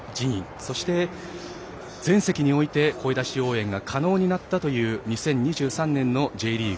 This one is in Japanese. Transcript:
そして、全席において声出し応援が可能になったという２０２３年のＪリーグ。